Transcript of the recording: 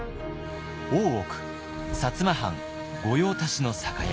大奥薩摩藩御用達の酒屋